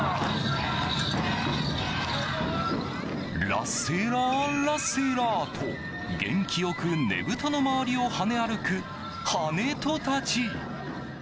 ラッセーラー、ラッセーラーと元気よくねぶたの周りを跳ね歩く跳人たち。